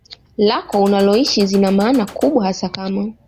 lako unaloishi zina maana kubwa hasa kama